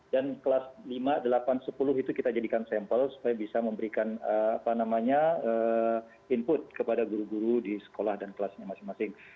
dan kelas lima delapan sepuluh itu kita jadikan sampel supaya bisa memberikan input kepada guru guru di sekolah dan kelasnya masing masing